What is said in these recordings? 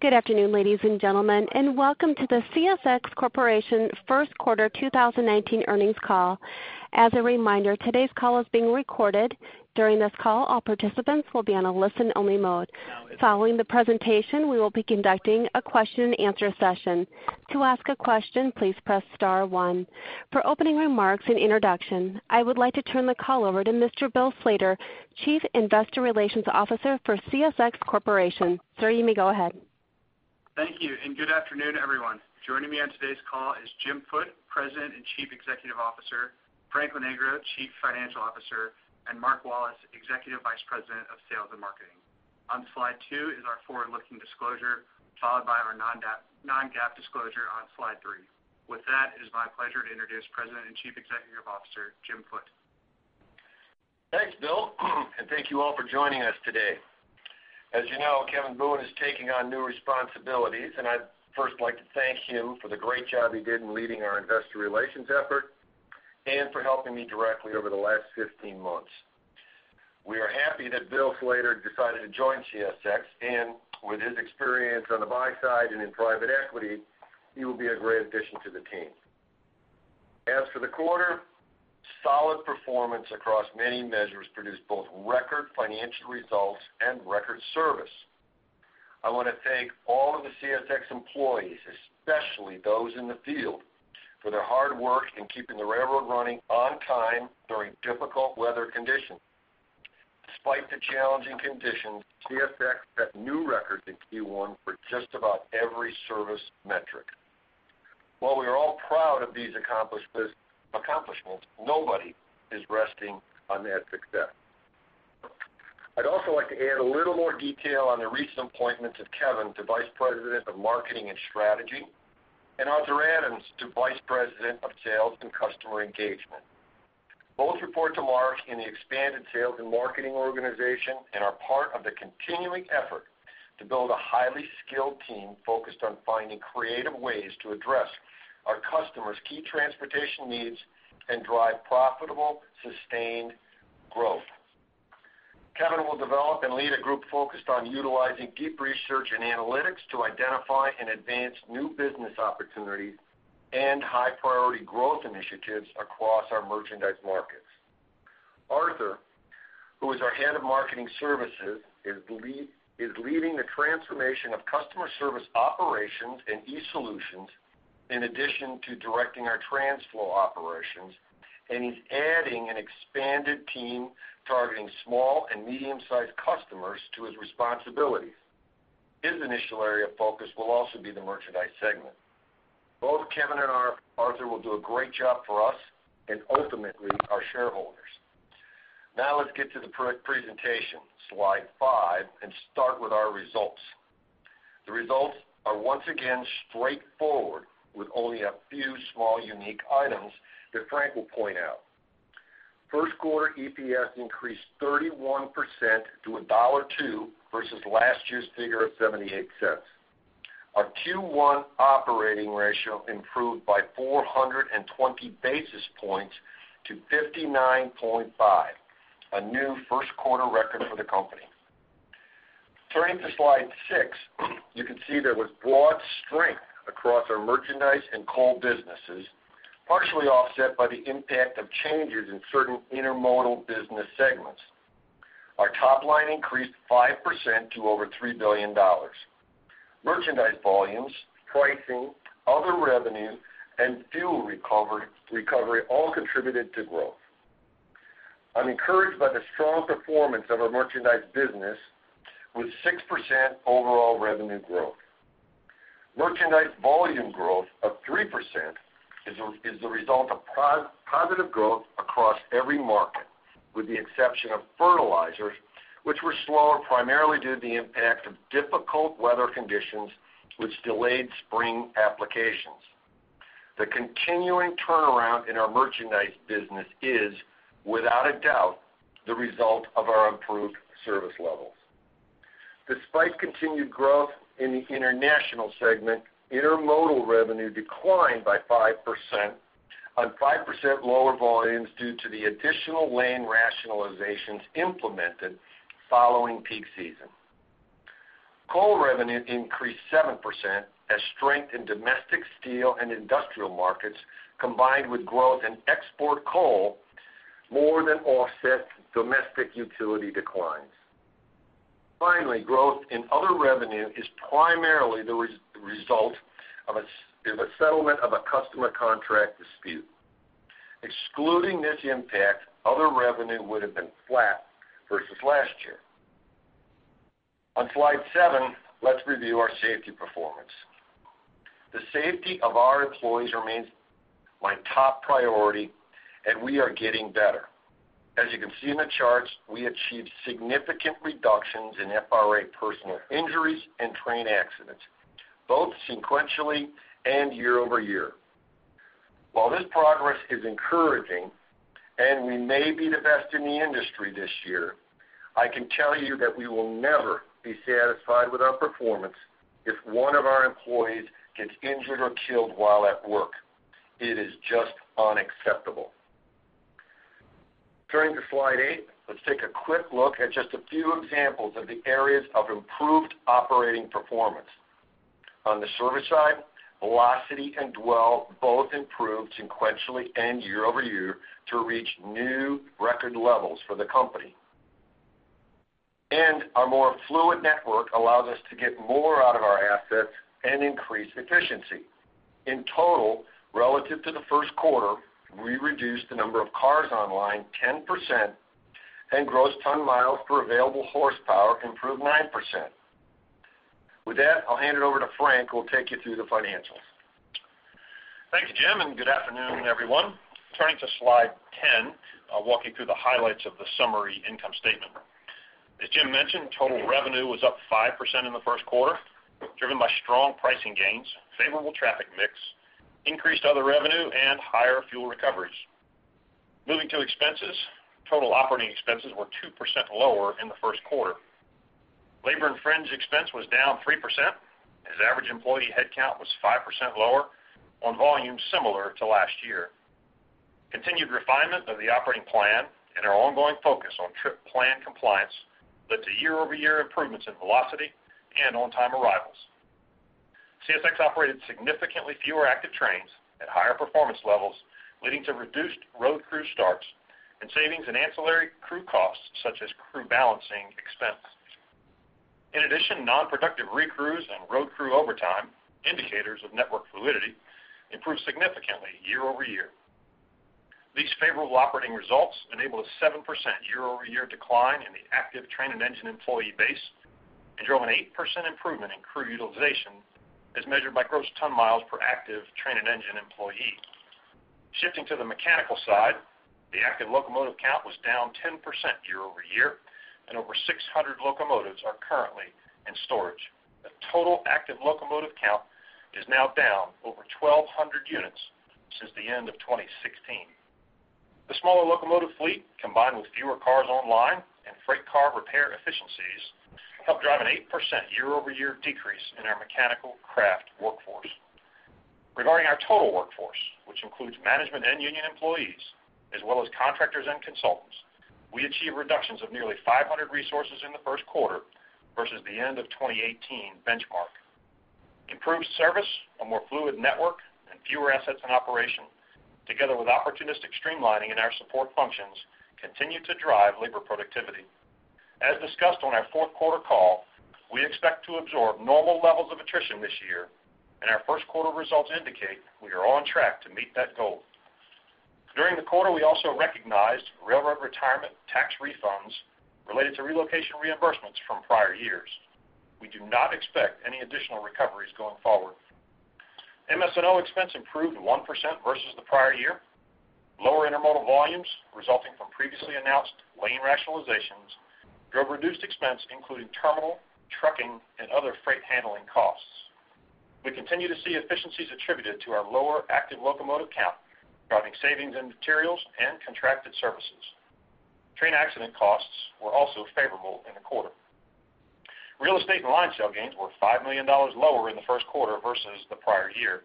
Good afternoon, ladies and gentlemen, and welcome to the CSX Corporation first quarter 2019 earnings call. As a reminder, today's call is being recorded. During this call, all participants will be on a listen-only mode. Following the presentation, we will be conducting a question and answer session. To ask a question, please press *1. For opening remarks and introduction, I would like to turn the call over to Mr. Bill Slater, Chief Investor Relations Officer for CSX Corporation. Sir, you may go ahead. Thank you, and good afternoon, everyone. Joining me on today's call is Jim Foote, President and Chief Executive Officer, Frank Lonegro, Chief Financial Officer, and Mark Wallace, Executive Vice President of Sales and Marketing. On slide two is our forward-looking disclosure, followed by our non-GAAP disclosure on slide three. With that, it is my pleasure to introduce President and Chief Executive Officer, Jim Foote. Thanks, Bill, and thank you all for joining us today. As you know, Kevin Boone is taking on new responsibilities, and I'd first like to thank him for the great job he did in leading our investor relations effort and for helping me directly over the last 15 months. We are happy that Bill Slater decided to join CSX, and with his experience on the buy side and in private equity, he will be a great addition to the team. As for the quarter, solid performance across many measures produced both record financial results and record service. I want to thank all of the CSX employees, especially those in the field, for their hard work in keeping the railroad running on time during difficult weather conditions. Despite the challenging conditions, CSX set new records in Q1 for just about every service metric. While we are all proud of these accomplishments, nobody is resting on that success. I'd also like to add a little more detail on the recent appointments of Kevin to Vice President of Marketing and Strategy, and Arthur Adams to Vice President of Sales and Customer Engagement. Both report to Mark in the expanded sales and marketing organization and are part of the continuing effort to build a highly skilled team focused on finding creative ways to address our customers' key transportation needs and drive profitable, sustained growth. Kevin will develop and lead a group focused on utilizing deep research and analytics to identify and advance new business opportunities and high-priority growth initiatives across our merchandise markets. Arthur, who is our Head of Marketing Services, is leading the transformation of customer service operations and e-solutions in addition to directing our Transflo operations. He's adding an expanded team targeting small and medium-sized customers to his responsibilities. His initial area of focus will also be the merchandise segment. Both Kevin and Arthur will do a great job for us and ultimately our shareholders. Let's get to the presentation, slide five, and start with our results. The results are once again straightforward with only a few small unique items that Frank will point out. First quarter EPS increased 31% to $1.02 versus last year's figure of $0.78. Our Q1 operating ratio improved by 420 basis points to 59.5, a new first-quarter record for the company. Turning to slide six, you can see there was broad strength across our merchandise and coal businesses, partially offset by the impact of changes in certain intermodal business segments. Our top line increased 5% to over $3 billion. Merchandise volumes, pricing, other revenue, and fuel recovery all contributed to growth. I'm encouraged by the strong performance of our merchandise business with 6% overall revenue growth. Merchandise volume growth of 3% is the result of positive growth across every market, with the exception of fertilizers, which were slower primarily due to the impact of difficult weather conditions which delayed spring applications. The continuing turnaround in our merchandise business is, without a doubt, the result of our improved service levels. Despite continued growth in the international segment, intermodal revenue declined by 5% on 5% lower volumes due to the additional lane rationalizations implemented following peak season. Coal revenue increased 7% as strength in domestic steel and industrial markets, combined with growth in export coal, more than offset domestic utility declines. Finally, growth in other revenue is primarily the result of a settlement of a customer contract dispute. Excluding this impact, other revenue would have been flat versus last year. On slide seven, let's review our safety performance. The safety of our employees remains my top priority, and we are getting better. As you can see in the charts, we achieved significant reductions in FRA personal injuries and train accidents, both sequentially and year-over-year. While this progress is encouraging, and we may be the best in the industry this year, I can tell you that we will never be satisfied with our performance if one of our employees gets injured or killed while at work. It is just unacceptable. Turning to slide eight, let's take a quick look at just a few examples of the areas of improved operating performance. On the service side, velocity and dwell both improved sequentially and year-over-year to reach new record levels for the company. Our more fluid network allows us to get more out of our assets and increase efficiency. In total, relative to the first quarter, we reduced the number of cars online 10%, and gross ton miles per available horsepower improved 9%. With that, I'll hand it over to Frank, who will take you through the financials. Thank you, Jim, good afternoon, everyone. Turning to slide 10, I'll walk you through the highlights of the summary income statement. As Jim mentioned, total revenue was up 5% in the first quarter, driven by strong pricing gains, favorable traffic mix, increased other revenue, and higher fuel recoveries. Moving to expenses, total operating expenses were 2% lower in the first quarter. Labor and fringe expense was down 3% as average employee headcount was 5% lower on volumes similar to last year. Continued refinement of the operating plan and our ongoing focus on Trip Plan Compliance led to year-over-year improvements in velocity and on-time arrivals. CSX operated significantly fewer active trains at higher performance levels, leading to reduced road crew starts and savings in ancillary crew costs such as crew balancing expense. In addition, non-productive recrews and road crew overtime, indicators of network fluidity, improved significantly year-over-year. These favorable operating results enabled a 7% year-over-year decline in the active train and engine employee base and drove an 8% improvement in crew utilization as measured by gross ton miles per active train and engine employee. Shifting to the mechanical side, the active locomotive count was down 10% year-over-year, and over 600 locomotives are currently in storage. The total active locomotive count is now down over 1,200 units since the end of 2016. The smaller locomotive fleet, combined with fewer cars online and freight car repair efficiencies, helped drive an 8% year-over-year decrease in our mechanical craft workforce. Regarding our total workforce, which includes management and union employees, as well as contractors and consultants, we achieved reductions of nearly 500 resources in the first quarter versus the end of 2018 benchmark. Improved service, a more fluid network, fewer assets in operation, together with opportunistic streamlining in our support functions, continue to drive labor productivity. As discussed on our fourth quarter call, we expect to absorb normal levels of attrition this year. Our first quarter results indicate we are on track to meet that goal. During the quarter, we also recognized railroad retirement tax refunds related to relocation reimbursements from prior years. We do not expect any additional recoveries going forward. MS&O expense improved 1% versus the prior year. Lower intermodal volumes resulting from previously announced lane rationalizations drove reduced expense, including terminal, trucking, and other freight handling costs. We continue to see efficiencies attributed to our lower active locomotive count, driving savings in materials and contracted services. Train accident costs were also favorable in the quarter. Real estate and line sale gains were $5 million lower in the first quarter versus the prior year.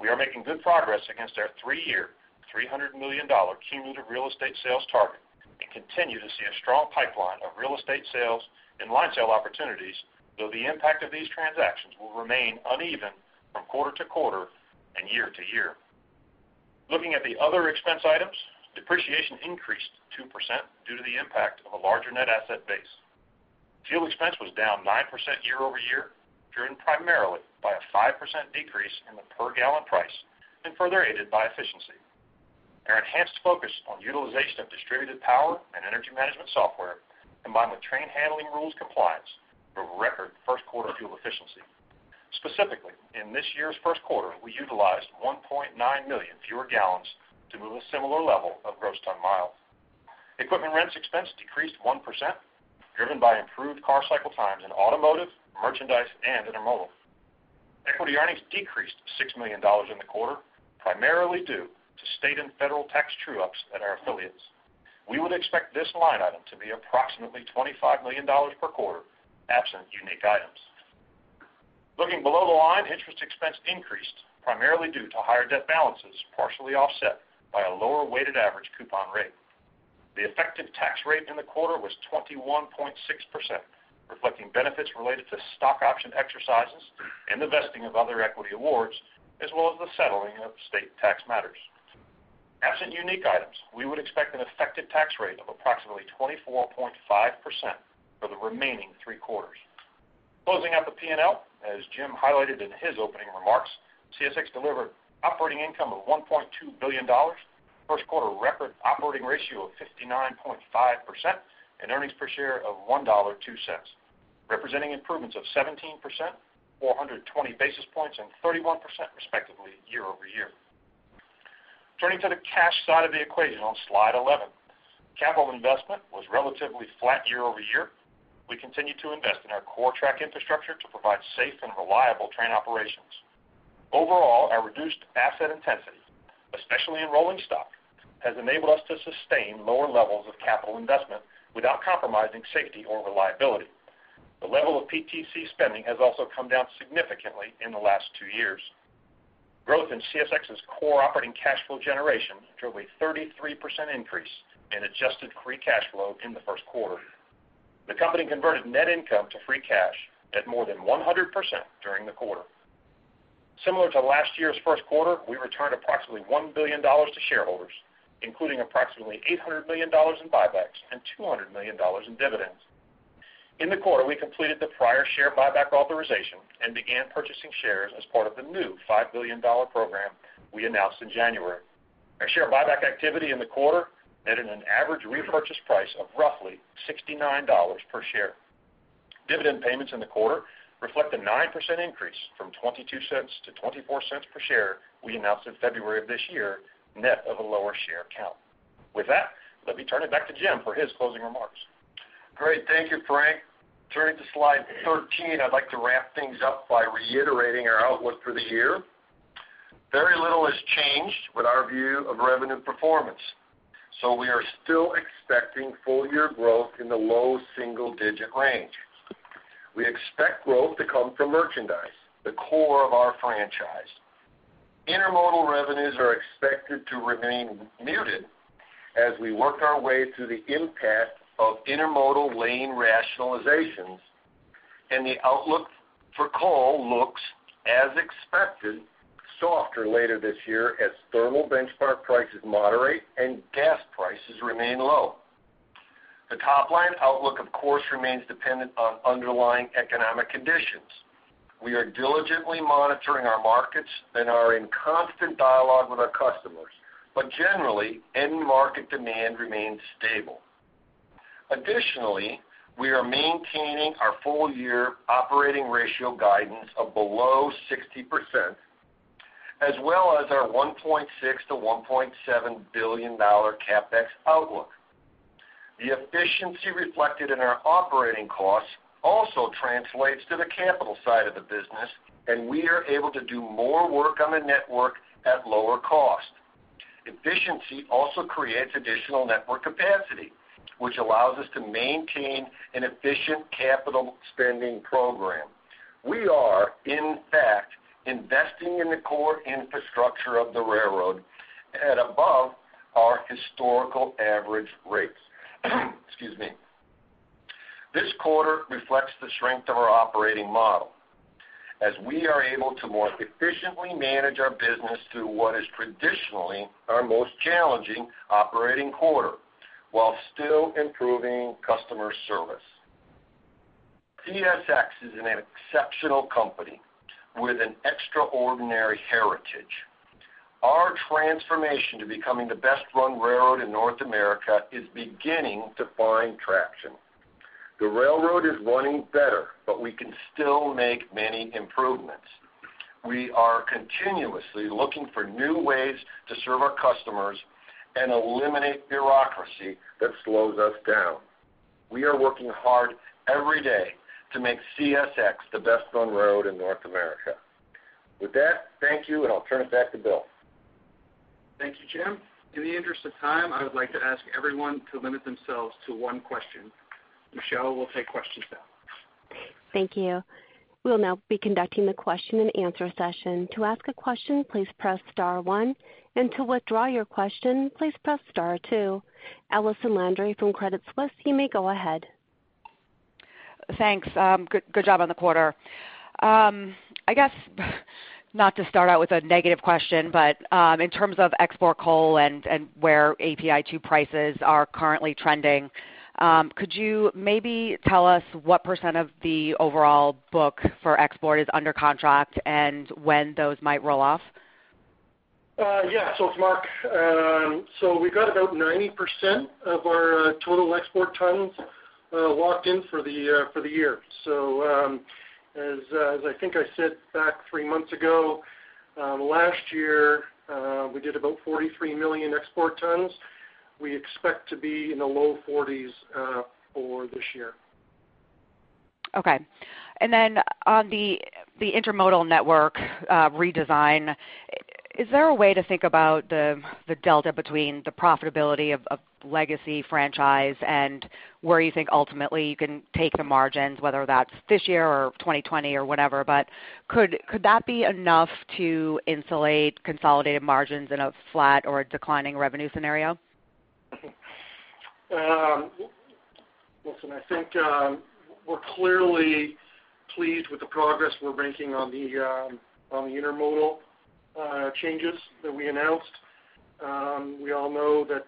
We are making good progress against our three-year, $300 million cumulative real estate sales target and continue to see a strong pipeline of real estate sales and line sale opportunities, though the impact of these transactions will remain uneven from quarter-to-quarter and year-to-year. Looking at the other expense items, depreciation increased 2% due to the impact of a larger net asset base. Fuel expense was down 9% year-over-year, driven primarily by a 5% decrease in the per gallon price and further aided by efficiency. Our enhanced focus on utilization of distributed power and energy management software, combined with train handling rules compliance, drove record first quarter fuel efficiency. Specifically, in this year's first quarter, we utilized 1.9 million fewer gallons to move a similar level of gross ton miles. Equipment rents expense decreased 1%, driven by improved car cycle times in automotive, merchandise, and intermodal. Equity earnings decreased $6 million in the quarter, primarily due to state and federal tax true-ups at our affiliates. We would expect this line item to be approximately $25 million per quarter, absent unique items. Looking below the line, interest expense increased primarily due to higher debt balances, partially offset by a lower weighted average coupon rate. The effective tax rate in the quarter was 21.6%, reflecting benefits related to stock option exercises and the vesting of other equity awards, as well as the settling of state tax matters. Absent unique items, we would expect an effective tax rate of approximately 24.5% for the remaining three quarters. Closing out the P&L, as Jim highlighted in his opening remarks, CSX delivered operating income of $1.2 billion, first quarter record operating ratio of 59.5%, and earnings per share of $1.2, representing improvements of 17%, 420 basis points, and 31% respectively year-over-year. Turning to the cash side of the equation on slide 11, capital investment was relatively flat year-over-year. We continue to invest in our core track infrastructure to provide safe and reliable train operations. Overall, our reduced asset intensity, especially in rolling stock, has enabled us to sustain lower levels of capital investment without compromising safety or reliability. The level of PTC spending has also come down significantly in the last two years. Growth in CSX's core operating cash flow generation drove a 33% increase in adjusted free cash flow in the first quarter. The company converted net income to free cash at more than 100% during the quarter. Similar to last year's first quarter, we returned approximately $1 billion to shareholders, including approximately $800 million in buybacks and $200 million in dividends. In the quarter, we completed the prior share buyback authorization and began purchasing shares as part of the new $5 billion program we announced in January. Our share buyback activity in the quarter added an average repurchase price of roughly $69 per share. Dividend payments in the quarter reflect a 9% increase from $0.22 to $0.24 per share we announced in February of this year, net of a lower share count. With that, let me turn it back to Jim for his closing remarks. Great. Thank you, Frank. Turning to Slide 13, I'd like to wrap things up by reiterating our outlook for the year. Very little has changed with our view of revenue performance. We are still expecting full-year growth in the low single-digit range. We expect growth to come from merchandise, the core of our franchise. Intermodal revenues are expected to remain muted as we work our way through the impact of intermodal lane rationalizations, the outlook for coal looks, as expected, softer later this year as thermal benchmark prices moderate and gas prices remain low. The top-line outlook, of course, remains dependent on underlying economic conditions. We are diligently monitoring our markets and are in constant dialogue with our customers. Generally, end market demand remains stable. Additionally, we are maintaining our full-year operating ratio guidance of below 60%, as well as our $1.6 billion to $1.7 billion CapEx outlook. The efficiency reflected in our operating costs also translates to the capital side of the business. We are able to do more work on the network at lower cost. Efficiency also creates additional network capacity, which allows us to maintain an efficient capital spending program. We are, in fact, investing in the core infrastructure of the railroad at above our historical average rates. Excuse me. This quarter reflects the strength of our operating model, as we are able to more efficiently manage our business through what is traditionally our most challenging operating quarter, while still improving customer service. CSX is an exceptional company with an extraordinary heritage. Our transformation to becoming the best-run railroad in North America is beginning to find traction. The railroad is running better. We can still make many improvements. We are continuously looking for new ways to serve our customers and eliminate bureaucracy that slows us down. We are working hard every day to make CSX the best run railroad in North America. With that, thank you. I'll turn it back to Bill. Thank you, Jim. In the interest of time, I would like to ask everyone to limit themselves to one question. Michelle, we'll take questions now. Thank you. We'll now be conducting the question and answer session. To ask a question, please press *1. To withdraw your question, please press *2. Allison Landry from Credit Suisse, you may go ahead. Thanks. Good job on the quarter. I guess not to start out with a negative question, in terms of export coal and where API2 prices are currently trending, could you maybe tell us what % of the overall book for export is under contract and when those might roll off? Yeah. It's Mark. We've got about 90% of our total export tons locked in for the year. As I think I said back three months ago, last year, we did about 43 million export tons. We expect to be in the low 40s for this year. Okay. On the intermodal network redesign, is there a way to think about the delta between the profitability of legacy franchise and where you think ultimately you can take the margins, whether that's this year or 2020 or whatever, but could that be enough to insulate consolidated margins in a flat or a declining revenue scenario? Okay. Listen, I think we're clearly pleased with the progress we're making on the intermodal changes that we announced. We all know that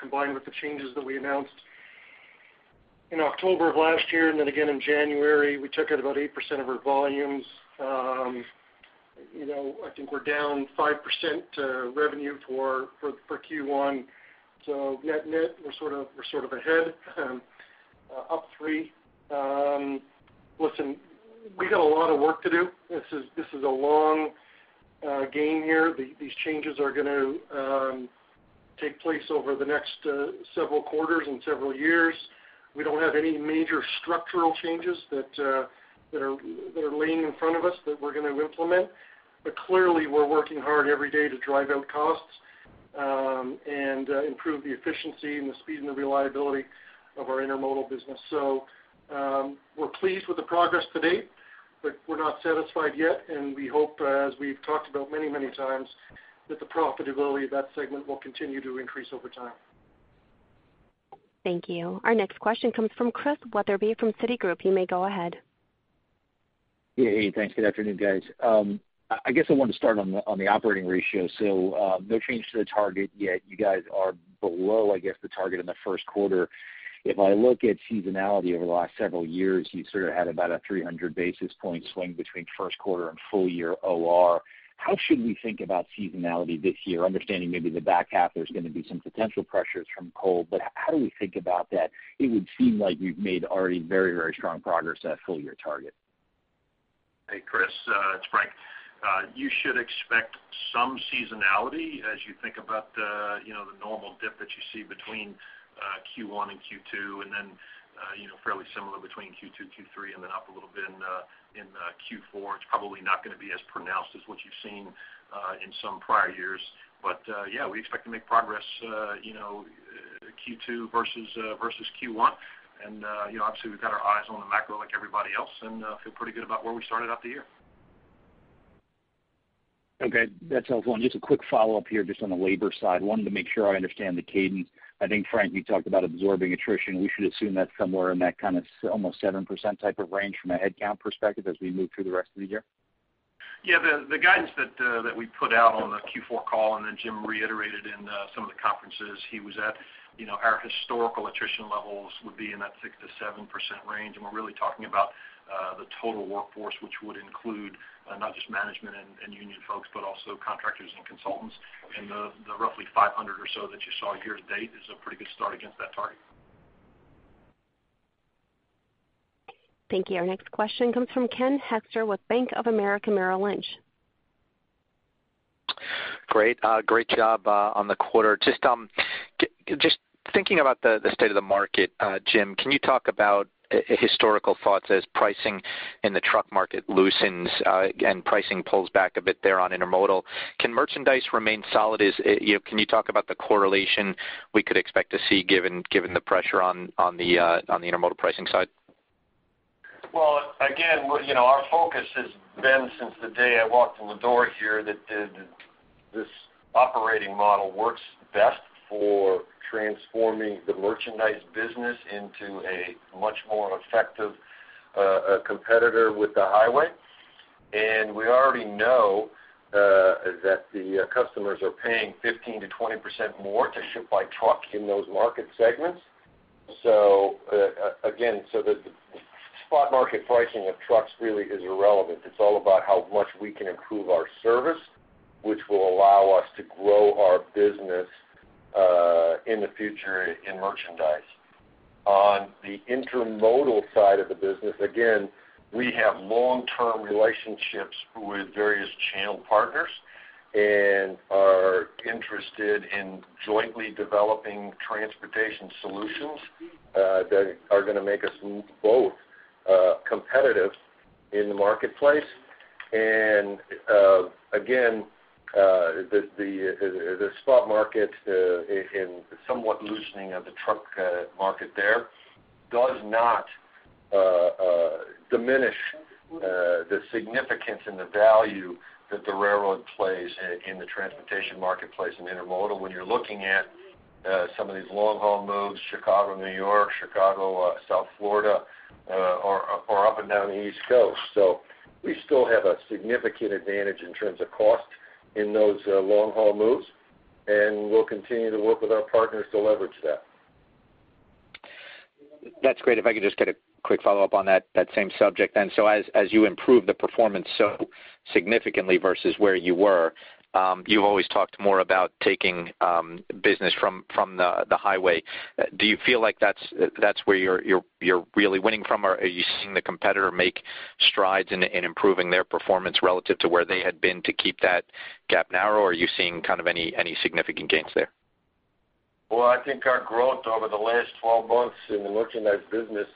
combined with the changes that we announced in October of last year and then again in January, we took out about 8% of our volumes. I think we're down 5% revenue for Q1. Net net, we're sort of ahead, up three. Listen, we got a lot of work to do. This is a long game here. These changes are going to take place over the next several quarters and several years. We don't have any major structural changes that are laying in front of us that we're going to implement. Clearly, we're working hard every day to drive down costs and improve the efficiency and the speed and the reliability of our intermodal business. We're pleased with the progress to date, but we're not satisfied yet, and we hope, as we've talked about many times, that the profitability of that segment will continue to increase over time. Thank you. Our next question comes from Christian Wetherbee from Citigroup. You may go ahead. Hey, thanks. Good afternoon, guys. I guess I wanted to start on the operating ratio. No change to the target yet. You guys are below, I guess, the target in the first quarter. If I look at seasonality over the last several years, you sort of had about a 300 basis point swing between first quarter and full year OR. How should we think about seasonality this year, understanding maybe the back half, there's going to be some potential pressures from coal, but how do we think about that? It would seem like you've made already very strong progress to that full-year target. Hey, Chris, it's Frank. You should expect some seasonality as you think about the normal dip that you see between Q1 and Q2, and then fairly similar between Q2, Q3, and then up a little bit in Q4. It's probably not going to be as pronounced as what you've seen in some prior years. Yeah, we expect to make progress Q2 versus Q1. Obviously, we've got our eyes on the macro like everybody else and feel pretty good about where we started out the year. Just a quick follow-up here, just on the labor side. Wanted to make sure I understand the cadence. I think, Frank, you talked about absorbing attrition. We should assume that somewhere in that almost 7% type of range from a headcount perspective as we move through the rest of the year? Yeah, the guidance that we put out on the Q4 call, Jim reiterated in some of the conferences he was at, our historical attrition levels would be in that 6%-7% range. We're really talking about the total workforce, which would include not just management and union folks, but also contractors and consultants. The roughly 500 or so that you saw year to date is a pretty good start against that target. Thank you. Our next question comes from Ken Hoexter with Bank of America Merrill Lynch. Great job on the quarter. Just thinking about the state of the market, Jim, can you talk about historical thoughts as pricing in the truck market loosens and pricing pulls back a bit there on intermodal? Can merchandise remain solid? Can you talk about the correlation we could expect to see given the pressure on the intermodal pricing side? Well, again, our focus has been since the day I walked in the door here that this operating model works best for transforming the Merchandise Business into a much more effective competitor with the highway. We already know that the customers are paying 15%-20% more to ship by truck in those market segments. Again, the spot market pricing of trucks really is irrelevant. It's all about how much we can improve our service, which will allow us to grow our business in the future in merchandise. On the Intermodal side of the business, again, we have long-term relationships with various channel partners and are interested in jointly developing transportation solutions that are going to make us both competitive in the marketplace. Again, the spot market and somewhat loosening of the truck market there does not diminish the significance and the value that the railroad plays in the transportation marketplace in Intermodal when you're looking at some of these long-haul moves, Chicago to New York, Chicago, South Florida or up and down the East Coast. We still have a significant advantage in terms of cost in those long-haul moves, and we'll continue to work with our partners to leverage that. That's great. If I could just get a quick follow-up on that same subject then. As you improve the performance so significantly versus where you were, you've always talked more about taking business from the highway. Do you feel like that's where you're really winning from, or are you seeing the competitor make strides in improving their performance relative to where they had been to keep that gap narrow, or are you seeing any significant gains there? Well, I think our growth over the last 12 months in the Merchandise Business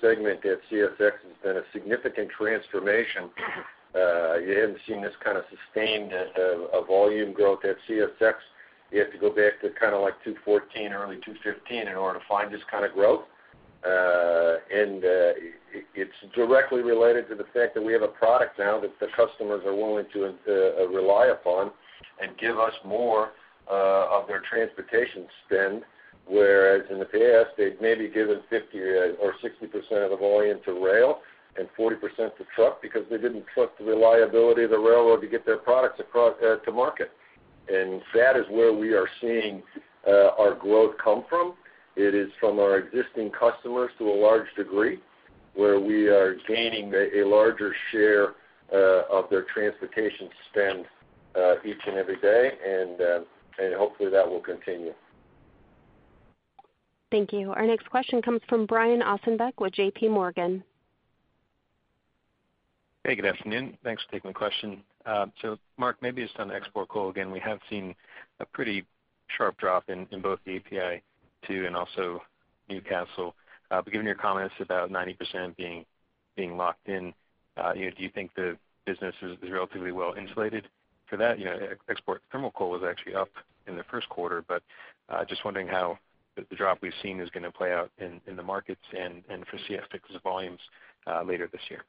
segment at CSX has been a significant transformation. You haven't seen this kind of sustained volume growth at CSX. You have to go back to 2014, early 2015 in order to find this kind of growth. It's directly related to the fact that we have a product now that the customers are willing to rely upon and give us more of their transportation spend. Whereas in the past, they've maybe given 50%-60% of the volume to rail and 40% to truck because they didn't trust the reliability of the railroad to get their products across to market. That is where we are seeing our growth come from. It is from our existing customers to a large degree, where we are gaining a larger share of their transportation spend each and every day, and hopefully, that will continue. Thank you. Our next question comes from Brian Ossenbeck with J.P. Morgan. Hey, good afternoon. Thanks for taking the question. Mark, maybe just on the export coal again, we have seen a pretty sharp drop in both the API2 and also Newcastle. Given your comments about 90% being locked in, do you think the business is relatively well insulated for that? Export thermal coal was actually up in the first quarter, just wondering how the drop we've seen is going to play out in the markets and for CSX's volumes later this year.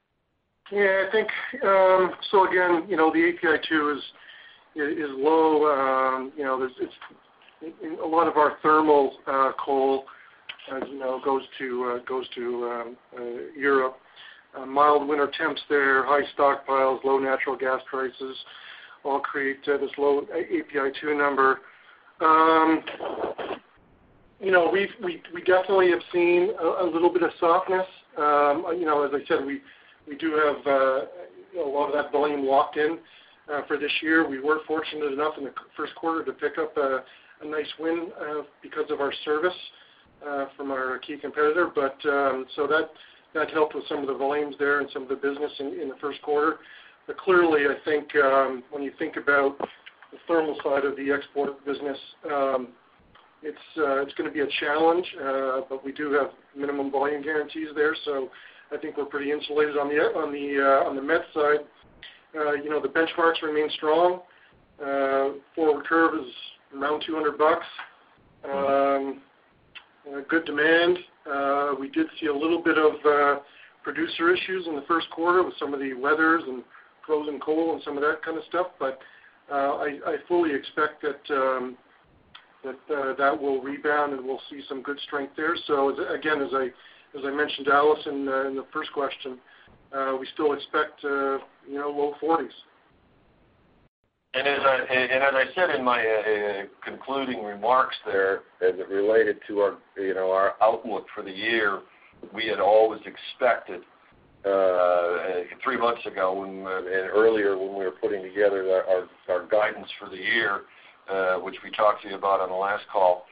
Yeah. Again, the API2 is low. A lot of our thermal coal, as you know, goes to Europe. Mild winter temps there, high stockpiles, low natural gas prices all create this low API2 number. We definitely have seen a little bit of softness. As I said, we do have a lot of that volume locked in for this year. We were fortunate enough in the first quarter to pick up a nice win because of our service from our key competitor. Clearly, I think when you think about the thermal side of the export business, it's going to be a challenge, but we do have minimum volume guarantees there. I think we're pretty insulated on the met side. The benchmarks remain strong. Forward curve is around $200. Good demand. We did see a little bit of producer issues in the first quarter with some of the weathers and frozen coal and some of that kind of stuff. I fully expect that that will rebound, and we'll see some good strength there. Again, as I mentioned, Allison, in the first question, we still expect low 40s. As I said in my concluding remarks there, as it related to our outlook for the year, we had always expected 3 months ago and earlier when we were putting together our guidance for the year, which we talked to you about on the last call,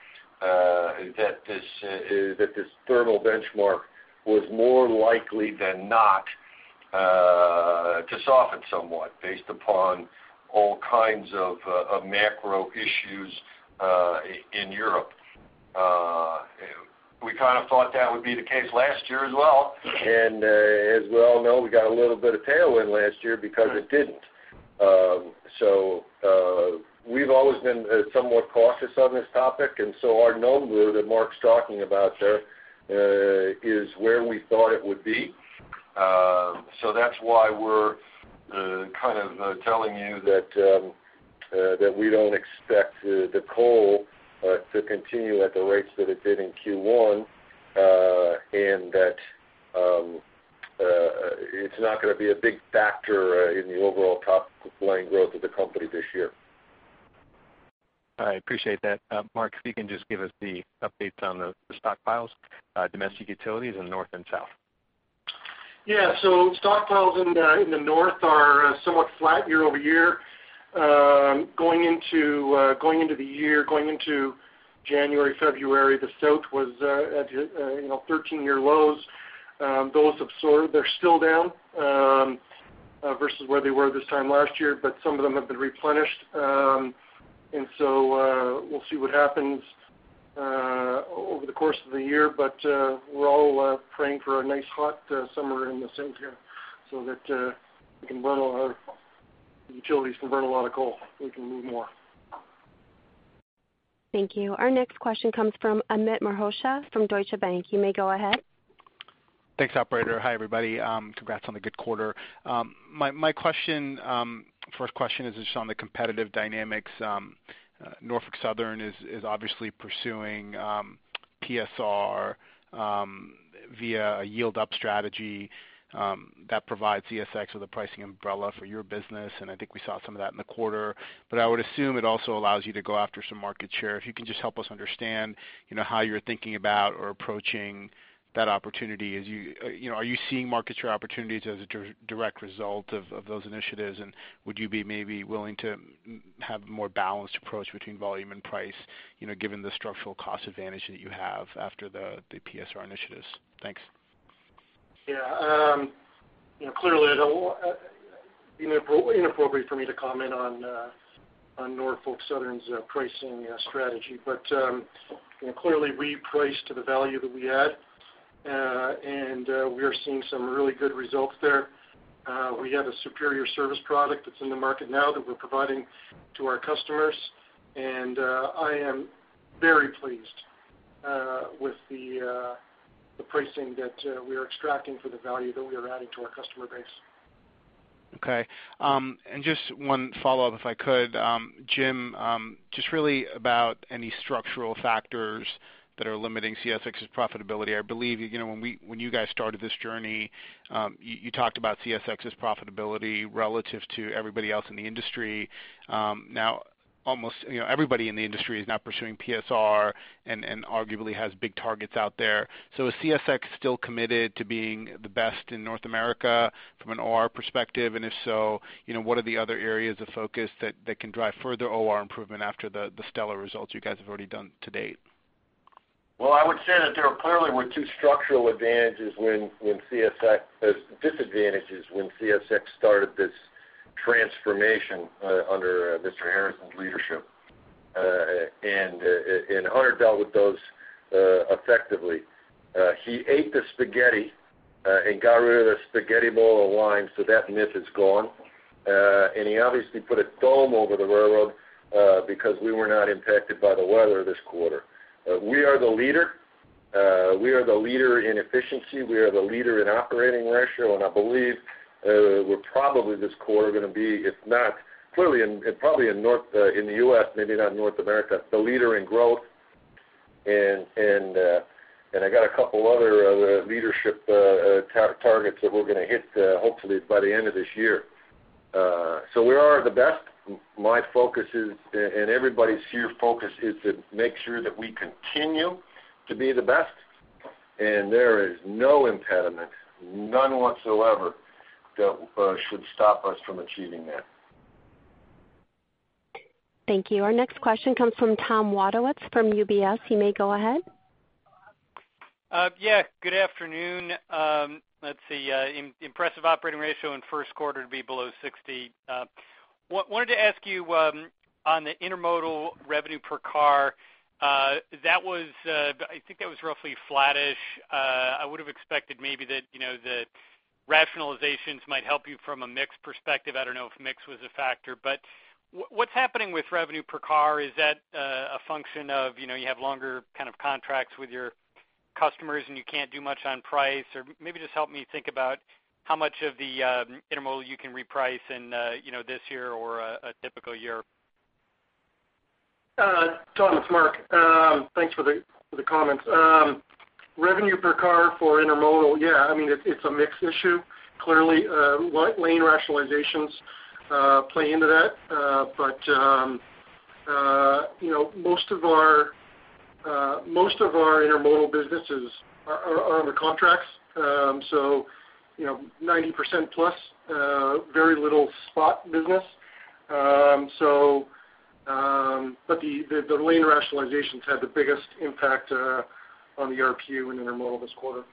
that this thermal benchmark was more likely than not to soften somewhat based upon all kinds of macro issues in Europe. We kind of thought that would be the case last year as well. As we all know, we got a little bit of tailwind last year because it didn't. We've always been somewhat cautious on this topic, our number that Mark's talking about there is where we thought it would be. That's why we're kind of telling you that we don't expect the coal to continue at the rates that it did in Q1 and that it's not going to be a big factor in the overall top-line growth of the company this year. I appreciate that. Mark, if you can just give us the updates on the stockpiles, domestic utilities in north and south. Yeah. Stockpiles in the north are somewhat flat year-over-year. Going into the year, going into January, February, the south was at 13-year lows. Those have soared. They're still down versus where they were this time last year, but some of them have been replenished. We'll see what happens over the course of the year. We're all praying for a nice hot summer in the south here so that the utilities can burn a lot of coal, and we can move more. Thank you. Our next question comes from Amit Mehrotra from Deutsche Bank. You may go ahead. Thanks, operator. Hi, everybody. Congrats on the good quarter. My first question is just on the competitive dynamics. Norfolk Southern is obviously pursuing PSR via a yield-up strategy that provides CSX with a pricing umbrella for your business, I think we saw some of that in the quarter. I would assume it also allows you to go after some market share. If you can just help us understand how you're thinking about or approaching that opportunity. Are you seeing market share opportunities as a direct result of those initiatives, would you be maybe willing to have a more balanced approach between volume and price given the structural cost advantage that you have after the PSR initiatives? Thanks. Yeah. Clearly inappropriate for me to comment on Norfolk Southern's pricing strategy. Clearly we price to the value that we add, we are seeing some really good results there. We have a superior service product that's in the market now that we're providing to our customers, I am very pleased with the pricing that we are extracting for the value that we are adding to our customer base. Okay. Just one follow-up, if I could, Jim Foote, just really about any structural factors that are limiting CSX's profitability. I believe when you guys started this journey, you talked about CSX's profitability relative to everybody else in the industry. Now almost everybody in the industry is now pursuing PSR and arguably has big targets out there. Is CSX still committed to being the best in North America from an OR perspective? If so, what are the other areas of focus that can drive further OR improvement after the stellar results you guys have already done to date? Well, I would say that there clearly were two structural disadvantages when CSX started this transformation under Mr. Harrison's leadership. Hunter dealt with those effectively. He ate the spaghetti and got rid of the spaghetti bowl of lines, so that myth is gone. He obviously put a dome over the railroad because we were not impacted by the weather this quarter. We are the leader. We are the leader in efficiency. We are the leader in operating ratio, and I believe we're probably this quarter going to be, if not clearly, probably in the U.S., maybe not North America, the leader in growth. I got a couple other leadership targets that we're going to hit hopefully by the end of this year. We are the best. My focus and everybody's here focus is to make sure that we continue to be the best. There is no impediment, none whatsoever, that should stop us from achieving that. Thank you. Our next question comes from Thomas Wadewitz from UBS. You may go ahead. Good afternoon. Let's see, impressive operating ratio in the first quarter to be below 60. Wanted to ask you on the intermodal revenue per car, I think that was roughly flattish. I would have expected maybe that the rationalizations might help you from a mix perspective. I don't know if mix was a factor, what's happening with revenue per car? Is that a function of you have longer kind of contracts with your customers and you can't do much on price? Maybe just help me think about how much of the intermodal you can reprice in this year or a typical year. Tom, it's Mark. Thanks for the comments. Revenue per car for intermodal, yeah, it's a mix issue. Clearly, lane rationalizations play into that. Most of our intermodal businesses are under contracts, so 90% plus, very little spot business. The lane rationalizations had the biggest impact on the RPU and intermodal this quarter.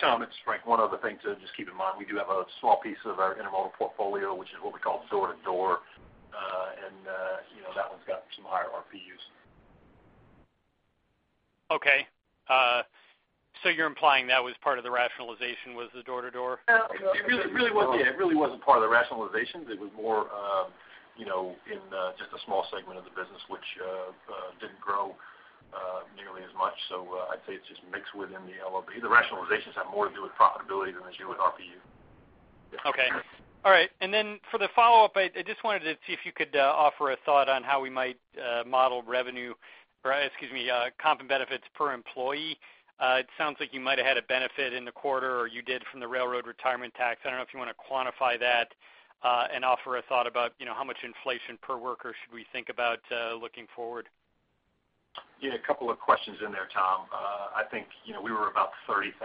Tom, it's Frank. One other thing to just keep in mind, we do have a small piece of our intermodal portfolio, which is what we call door-to-door, and that one's got some higher RPUs. Okay. You're implying that was part of the rationalization was the door-to-door? It really wasn't part of the rationalizations. It was more in just a small segment of the business, which didn't grow nearly as much. I'd say it's just mixed within the LOB. The rationalizations have more to do with profitability than they do with RPU. Okay. All right. For the follow-up, I just wanted to see if you could offer a thought on how we might model revenue, or excuse me, comp and benefits per employee. It sounds like you might have had a benefit in the quarter, or you did from the railroad retirement tax. I don't know if you want to quantify that and offer a thought about how much inflation per worker should we think about looking forward. Yeah, a couple of questions in there, Tom. I think we were about 30,000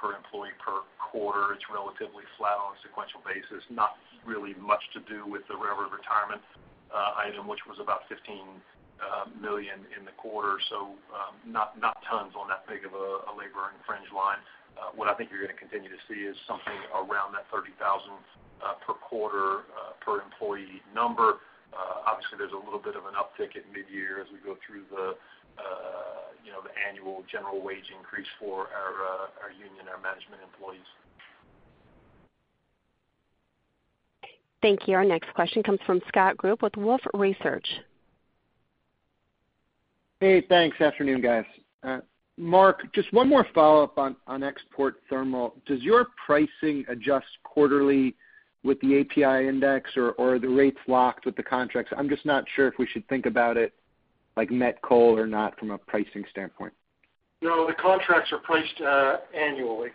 per employee per quarter. It's relatively flat on a sequential basis, not really much to do with the railroad retirement item, which was about $15 million in the quarter. Not tons on that big of a labor and fringe line. What I think you're going to continue to see is something around that 30,000 per quarter, per employee number. Obviously, there's a little bit of an uptick at mid-year as we go through the annual general wage increase for our union, our management employees. Thank you. Our next question comes from Scott Group with Wolfe Research. Hey, thanks. Afternoon, guys. Mark, just one more follow-up on export thermal. Does your pricing adjust quarterly with the API2 index or are the rates locked with the contracts? I'm just not sure if we should think about it like met coal or not from a pricing standpoint. No, the contracts are priced annually.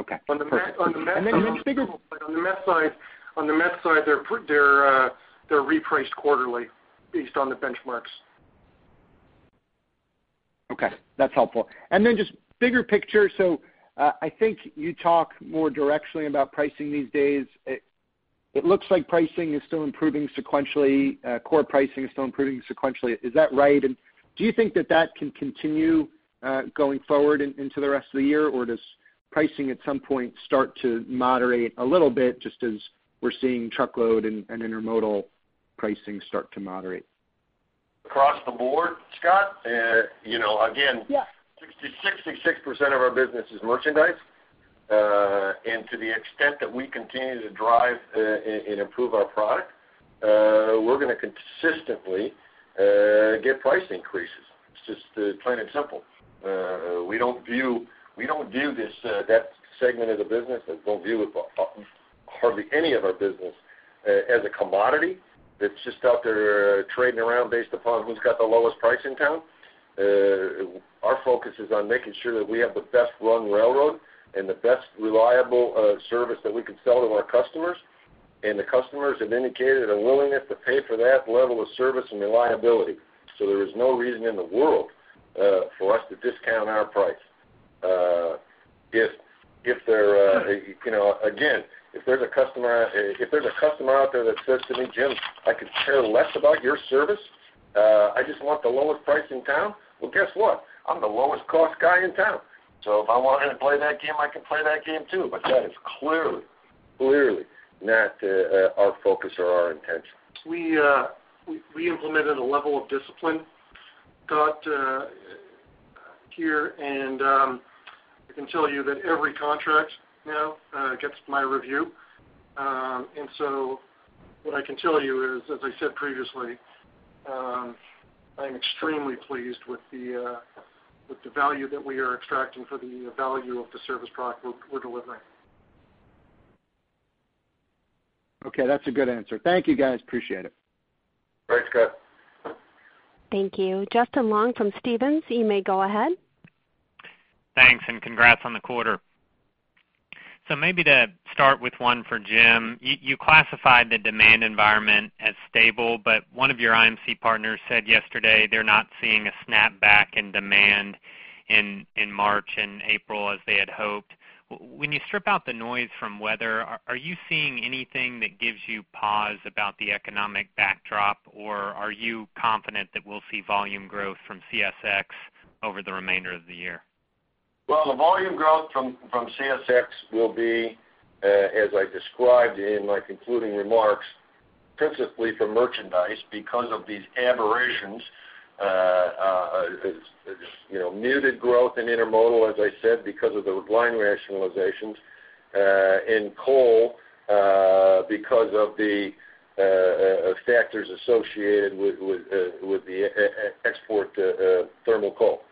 Okay. Perfect. On the met side, they're repriced quarterly based on the benchmarks. Okay, that's helpful. Just bigger picture, I think you talk more directly about pricing these days. It looks like pricing is still improving sequentially, core pricing is still improving sequentially. Is that right? Do you think that that can continue going forward into the rest of the year? Or does pricing at some point start to moderate a little bit, just as we're seeing truckload and intermodal pricing start to moderate? Across the board, Scott, again, 66% of our business is merchandise. To the extent that we continue to drive and improve our product, we're going to consistently get price increases. It's just plain and simple. We don't view that segment of the business, and don't view hardly any of our business as a commodity that's just out there trading around based upon who's got the lowest price in town. Our focus is on making sure that we have the best run railroad and the best reliable service that we can sell to our customers. The customers have indicated a willingness to pay for that level of service and reliability. There is no reason in the world for us to discount our price. Again, if there's a customer out there that says to me, "Jim, I could care less about your service I just want the lowest price in town." Well, guess what? I'm the lowest cost guy in town. If I wanted to play that game, I can play that game too, but that is clearly not our focus or our intention. We implemented a level of discipline here, I can tell you that every contract now gets my review. What I can tell you is, as I said previously, I am extremely pleased with the value that we are extracting for the value of the service product we're delivering. Okay, that's a good answer. Thank you, guys. Appreciate it. Thanks, Scott. Thank you. Justin Long from Stephens, you may go ahead. Thanks. Congrats on the quarter. Maybe to start with one for Jim, you classified the demand environment as stable, but one of your IMC partners said yesterday they're not seeing a snap back in demand in March and April as they had hoped. When you strip out the noise from weather, are you seeing anything that gives you pause about the economic backdrop, or are you confident that we'll see volume growth from CSX over the remainder of the year? The volume growth from CSX will be, as I described in my concluding remarks, principally for merchandise because of these aberrations, muted growth in intermodal, as I said, because of the line rationalizations. In coal, because of factors associated with the export to thermal coal.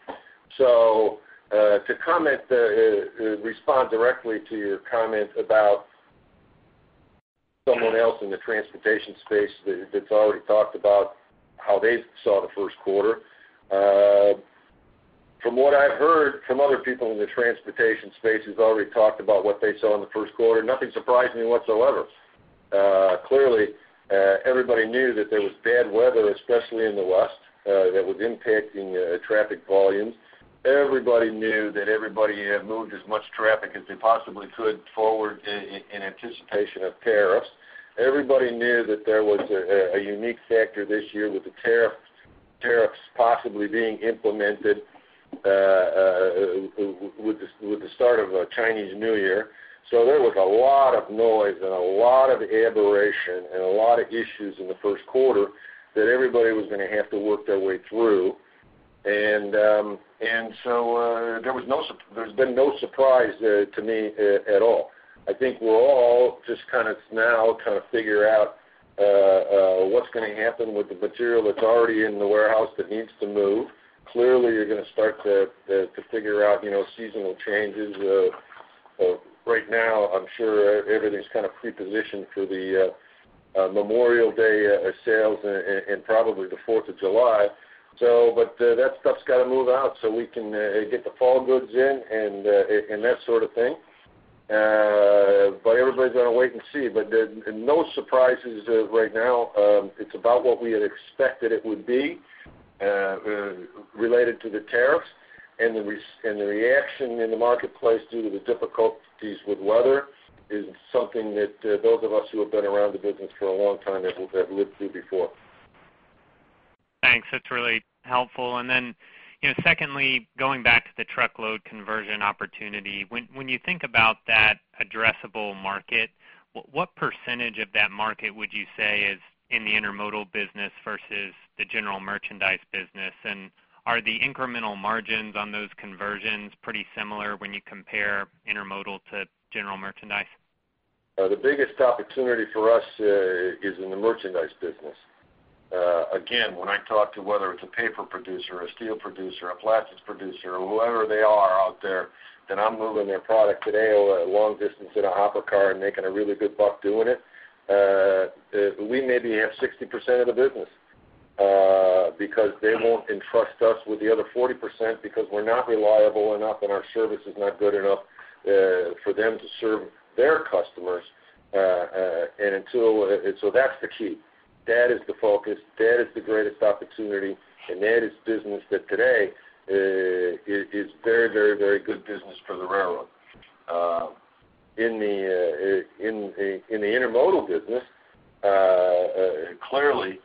To respond directly to your comment about someone else in the transportation space that's already talked about how they saw the first quarter. From what I've heard from other people in the transportation space who have already talked about what they saw in the first quarter, nothing surprised me whatsoever. Clearly, everybody knew that there was bad weather, especially in the West, that was impacting traffic volumes. Everybody knew that everybody had moved as much traffic as they possibly could forward in anticipation of tariffs. Everybody knew that there was a unique factor this year with the tariffs possibly being implemented with the start of Chinese New Year. There was a lot of noise and a lot of aberration and a lot of issues in the first quarter that everybody was going to have to work their way through. There has been no surprise to me at all. I think we'll all just now figure out what's going to happen with the material that's already in the warehouse that needs to move. Clearly, you're going to start to figure out seasonal changes. Right now, I'm sure everything's kind of pre-positioned for the Memorial Day sales and probably the Fourth of July. That stuff's got to move out so we can get the fall goods in and that sort of thing. Everybody's got to wait and see. No surprises right now. It's about what we had expected it would be, related to the tariffs and the reaction in the marketplace due to the difficulties with weather is something that those of us who have been around the business for a long time have lived through before. Thanks. That's really helpful. Then, secondly, going back to the truckload conversion opportunity. When you think about that addressable market, what % of that market would you say is in the intermodal business versus the general merchandise business? Are the incremental margins on those conversions pretty similar when you compare intermodal to general merchandise? The biggest opportunity for us is in the merchandise business. When I talk to whether it's a paper producer, a steel producer, a plastics producer, or whoever they are out there, I'm moving their product today over a long distance in a hopper car and making a really good buck doing it. We maybe have 60% of the business, because they won't entrust us with the other 40% because we're not reliable enough and our service is not good enough for them to serve their customers. That's the key. That is the focus, that is the greatest opportunity, and that is business that today is very good business for the railroad. In the intermodal business, clearly,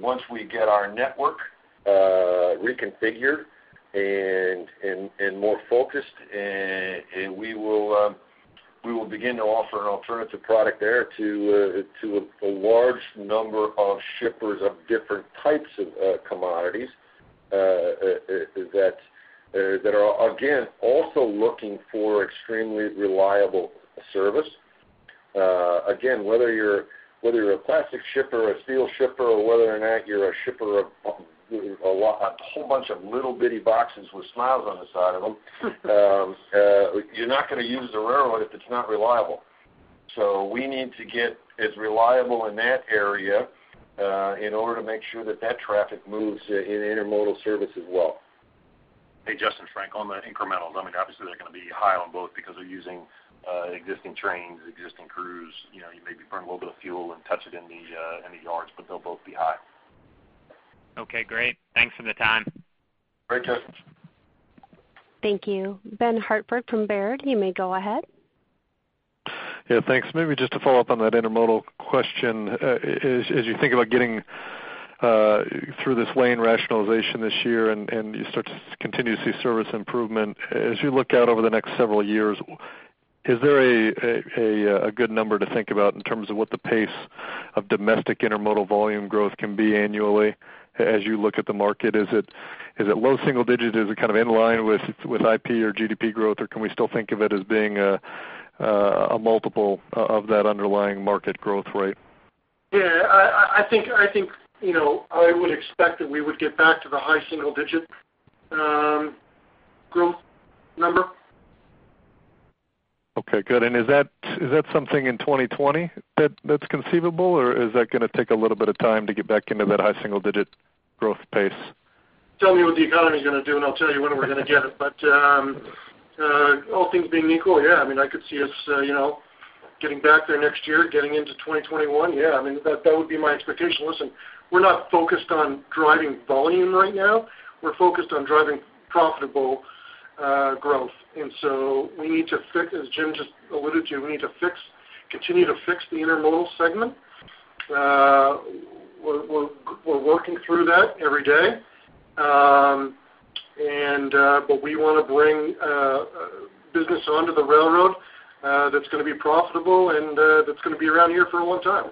once we get our network reconfigured and more focused, we will begin to offer an alternative product there to a large number of shippers of different types of commodities that are, again, also looking for extremely reliable service. Whether you're a plastic shipper, a steel shipper, or whether or not you're a shipper of a whole bunch of little bitty boxes with smiles on the side of them, you're not going to use the railroad if it's not reliable. We need to get as reliable in that area in order to make sure that traffic moves in intermodal service as well. Hey, Justin, Frank, on the incrementals, obviously they're going to be high on both because they're using existing trains, existing crews, you maybe burn a little bit of fuel and touch it in the yards, they'll both be high. Okay, great. Thanks for the time. Great, Justin. Thank you. Benjamin Hartford from Baird, you may go ahead. Thanks. Maybe just to follow up on that intermodal question. As you think about getting through this lane rationalization this year, and you start to continue to see service improvement, as you look out over the next several years, is there a good number to think about in terms of what the pace of domestic intermodal volume growth can be annually as you look at the market? Is it low single-digit? Is it kind of in line with IP or GDP growth? Can we still think of it as being a multiple of that underlying market growth rate? I think I would expect that we would get back to the high single-digit growth number. Is that something in 2020 that's conceivable, or is that going to take a little bit of time to get back into that high single-digit growth pace? Tell me what the economy's going to do, and I'll tell you when we're going to get it. All things being equal, yeah, I could see us getting back there next year, getting into 2021. Yeah, that would be my expectation. Listen, we're not focused on driving volume right now. We're focused on driving profitable growth. As Jim just alluded to, we need to continue to fix the intermodal segment. We're working through that every day. We want to bring business onto the railroad that's going to be profitable and that's going to be around here for a long time.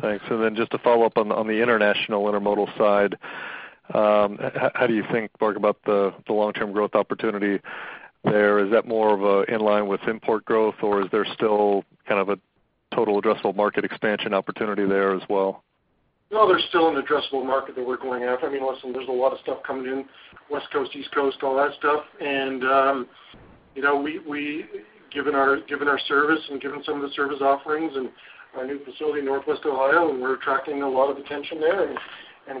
Thanks. Just to follow up on the international intermodal side, how do you think, Mark, about the long-term growth opportunity there? Is that more of in line with import growth, or is there still kind of a total addressable market expansion opportunity there as well? No, there's still an addressable market that we're going after. Listen, there's a lot of stuff coming in, West Coast, East Coast, all that stuff. Given our service and given some of the service offerings and our new facility in Northwest Ohio, we're attracting a lot of attention there.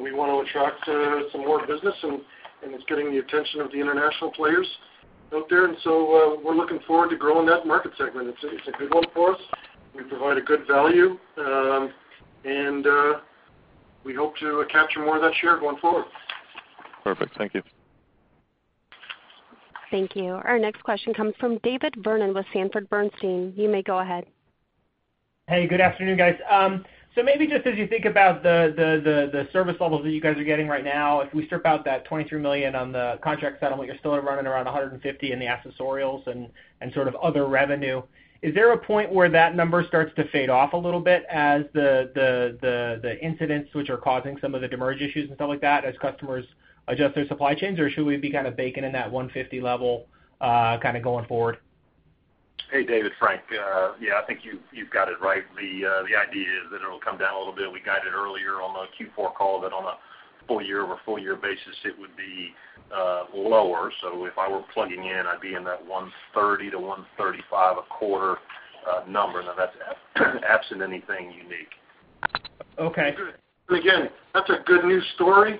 We want to attract some more business. It's getting the attention of the international players out there. We're looking forward to growing that market segment. It's a good one for us. We provide a good value. We hope to capture more of that share going forward. Perfect. Thank you. Thank you. Our next question comes from David Vernon with Sanford Bernstein. You may go ahead. Hey, good afternoon, guys. Maybe just as you think about the service levels that you guys are getting right now, if we strip out that $23 million on the contract settlement, you're still running around 150 in the accessorials and sort of other revenue. Is there a point where that number starts to fade off a little bit as the incidents which are causing some of the demurrage issues and stuff like that as customers adjust their supply chains, or should we be kind of baking in that 150 level going forward? Hey, David. Frank. I think you've got it right. The idea is that it'll come down a little bit. We guided earlier on the Q4 call that on a full year-over-full year basis, it would be lower. If I were plugging in, I'd be in that $130-$135 a quarter number. That's absent anything unique. Okay. That's a good news story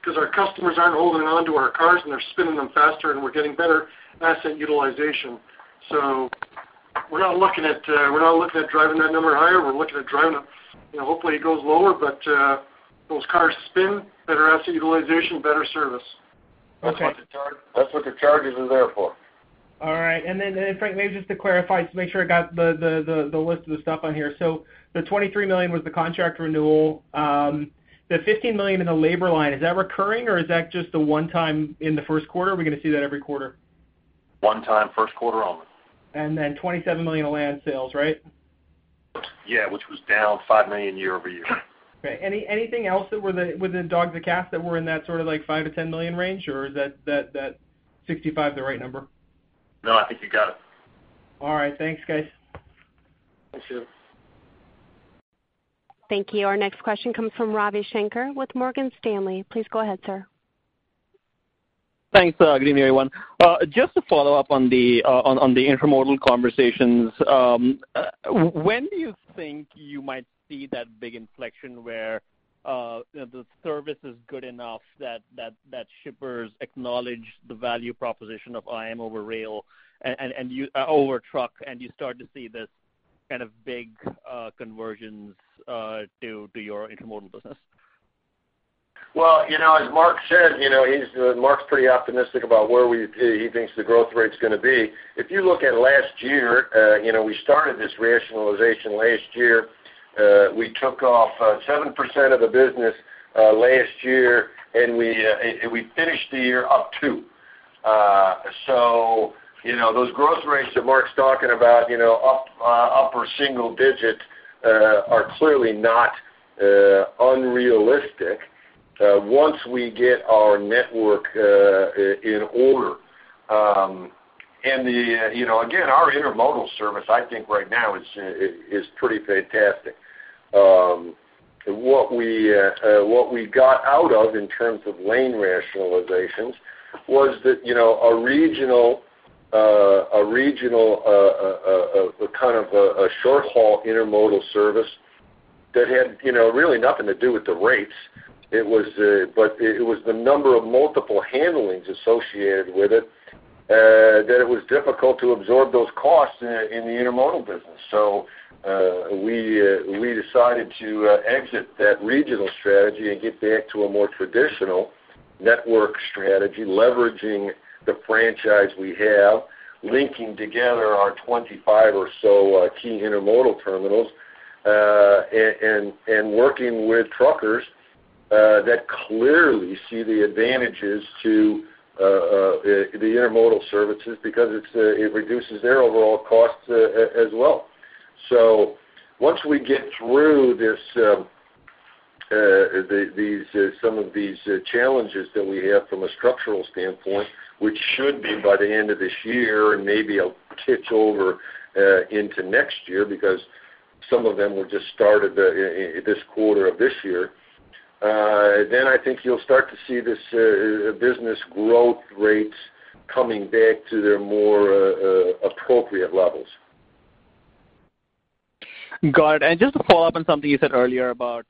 because our customers aren't holding onto our cars, and they're spinning them faster and we're getting better asset utilization. We're not looking at driving that number higher. We're looking at driving them, hopefully, it goes lower, but those cars spin, better asset utilization, better service. That's what the charges are there for. All right. Then, Frank, maybe just to clarify, to make sure I got the list of the stuff on here. The $23 million was the contract renewal. The $15 million in the labor line, is that recurring, or is that just a one-time in the first quarter? Are we going to see that every quarter? One-time, first quarter only. $27 million of land sales, right? Yeah, which was down $5 million year-over-year. Okay. Anything else with the other cash that were in that sort of like $5 million-$10 million range, or is that 65 the right number? No, I think you got it. All right. Thanks, guys. Thank you. Thank you. Our next question comes from Ravi Shanker with Morgan Stanley. Please go ahead, sir. Thanks. Good evening, everyone. Just to follow up on the intermodal conversations, when do you think you might see that big inflection where the service is good enough that shippers acknowledge the value proposition of IM over truck, and you start to see this kind of big conversions to your intermodal business? As Mark said, Mark's pretty optimistic about where he thinks the growth rate's going to be. If you look at last year, we started this rationalization last year. We took off 7% of the business last year, and we finished the year up two. Those growth rates that Mark's talking about, upper single digits, are clearly not unrealistic once we get our network in order. Again, our intermodal service, I think right now is pretty fantastic. What we got out of in terms of lane rationalizations was that a regional, kind of a short-haul intermodal service that had really nothing to do with the rates. It was the number of multiple handlings associated with it, that it was difficult to absorb those costs in the intermodal business. We decided to exit that regional strategy and get back to a more traditional Network strategy, leveraging the franchise we have, linking together our 25 or so key intermodal terminals, and working with truckers that clearly see the advantages to the intermodal services because it reduces their overall costs as well. Once we get through some of these challenges that we have from a structural standpoint, which should be by the end of this year, maybe it'll pitch over into next year, because some of them were just started this quarter of this year, I think you'll start to see this business growth rates coming back to their more appropriate levels. Got it. Just to follow up on something you said earlier about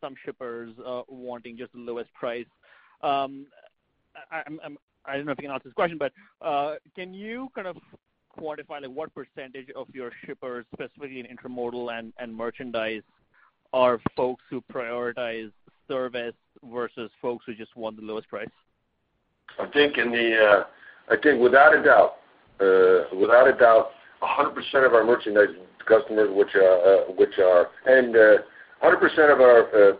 some shippers wanting just the lowest price. I don't know if you can answer this question, can you kind of quantify what percentage of your shippers, specifically in intermodal and merchandise, are folks who prioritize service versus folks who just want the lowest price? I think without a doubt 100% of our merchandise customers, 100% of our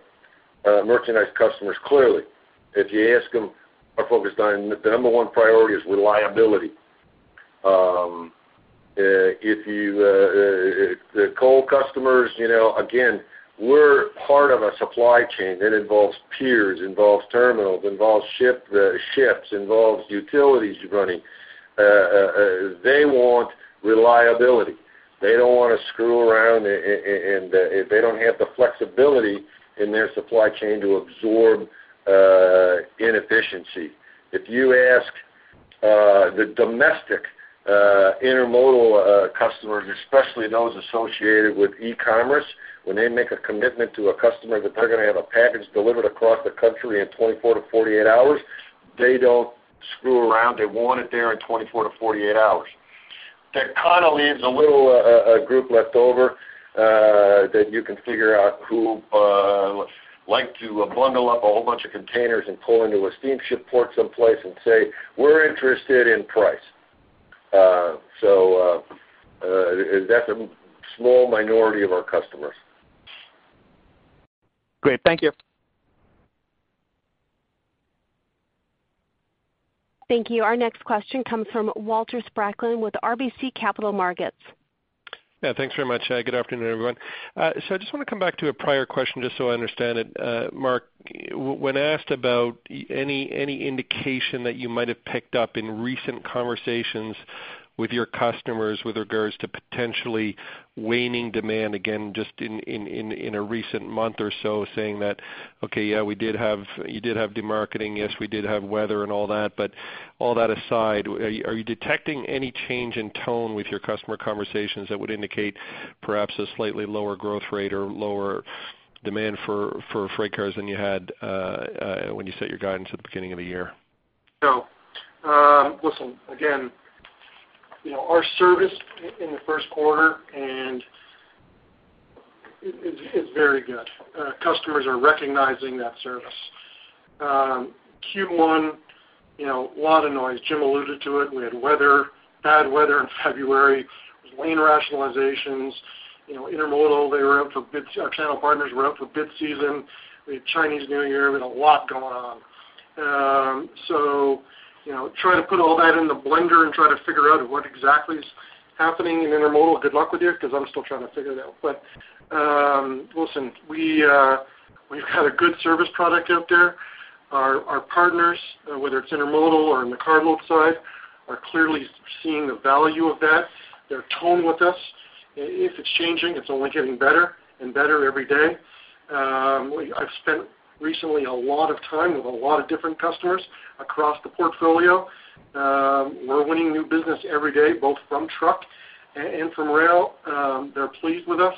merchandise customers clearly, if you ask them, are focused on the number one priority is reliability. The coal customers, again, we're part of a supply chain. That involves piers, involves terminals, involves ships, involves utilities running. They want reliability. They don't want to screw around, and they don't have the flexibility in their supply chain to absorb inefficiency. If you ask the domestic intermodal customers, especially those associated with e-commerce, when they make a commitment to a customer that they're going to have a package delivered across the country in 24 to 48 hours, they don't screw around. They want it there in 24 to 48 hours. That kind of leaves a little group left over that you can figure out who like to bundle up a whole bunch of containers and pull into a steamship port someplace and say, "We're interested in price." That's a small minority of our customers. Great. Thank you. Thank you. Our next question comes from Walter Spracklin with RBC Capital Markets. Thanks very much. Good afternoon, everyone. I just want to come back to a prior question just so I understand it. Mark, when asked about any indication that you might have picked up in recent conversations with your customers with regards to potentially waning demand again just in a recent month or so, saying that, "Okay, yeah, you did have demarketing. Yes, we did have weather and all that." All that aside, are you detecting any change in tone with your customer conversations that would indicate perhaps a slightly lower growth rate or lower demand for freight cars than you had when you set your guidance at the beginning of the year? No. Listen, again, our service in the first quarter is very good. Customers are recognizing that service. Q1, lot of noise. Jim alluded to it. We had weather, bad weather in February. There was lane rationalizations. Intermodal, our channel partners were up for bid season. We had Chinese New Year. We had a lot going on. Trying to put all that in the blender and try to figure out what exactly is happening in Intermodal, good luck with you because I'm still trying to figure it out. Listen, we've got a good service product out there. Our partners, whether it's Intermodal or in the carload side, are clearly seeing the value of that. Their tone with us, if it's changing, it's only getting better and better every day. I've spent recently a lot of time with a lot of different customers across the portfolio. We're winning new business every day, both from truck and from rail. They're pleased with us.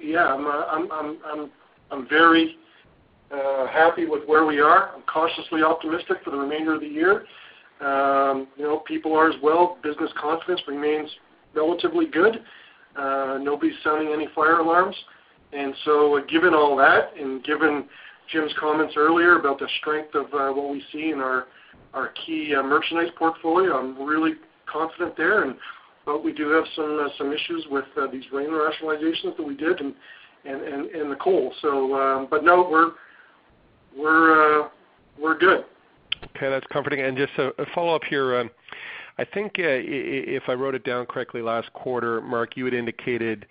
Yeah, I'm very happy with where we are. I'm cautiously optimistic for the remainder of the year. People are as well. Business confidence remains relatively good. Nobody's sounding any fire alarms. Given all that, and given Jim's comments earlier about the strength of what we see in our key merchandise portfolio, I'm really confident there. We do have some issues with these lane rationalizations that we did and the coal. No, we're good. Okay, that's comforting. Just a follow-up here. I think if I wrote it down correctly last quarter, Mark, you had indicated